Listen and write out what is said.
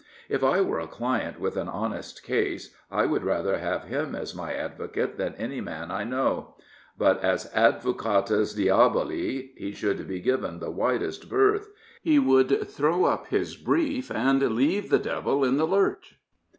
If I were a client with an honest case I would rather have him as my advocate than any man I know; but as advocatus diaholi he should be given the widest berth. He would throw up his brief and leave the Devil in the lurch.